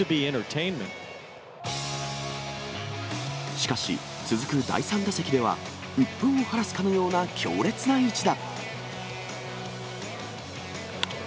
しかし、続く第３打席では、うっぷんを晴らすかのような強烈な一打。